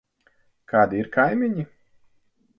Kādi ir kaimiņi?